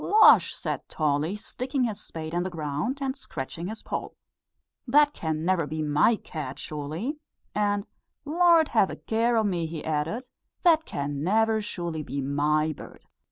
"Losh!" said Tolly, sticking his spade in the ground and scratching his poll, "that can never be my cat sure_ly_!" and "Lord, have a care o' me!" he added; "that can never surely be my bird."